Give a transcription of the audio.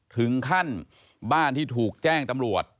ถึงขั้นบ้านที่ถูกแจ้งตำรวจ